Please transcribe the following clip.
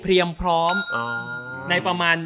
พร้อมในประมาณ